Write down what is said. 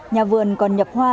nhà vườn còn nhập hoa